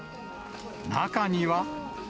中には。